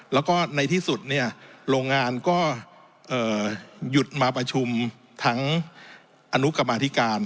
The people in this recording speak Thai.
แล้วก็ในที่สุดเนี่ยโรงงานก็หยุดมาประชุมทั้งอนุกรรมาธิการ